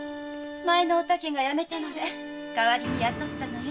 前のお竹がやめたので代わりに雇ったのよ。